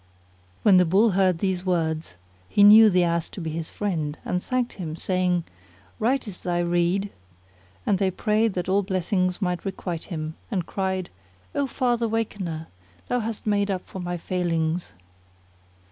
When the Bull heard these words he knew the Ass to be his friend and thanked him, saying, "Right is thy rede;" and prayed that all blessings might requite him, and cried, "O Father Wakener![FN#29] thou hast made up for my failings."